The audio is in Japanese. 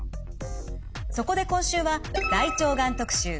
そこで今週は「大腸がん特集」。